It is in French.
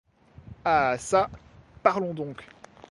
Ah çà, parlons donc.